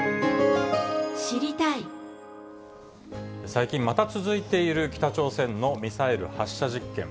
最近また続いている北朝鮮のミサイル発射実験。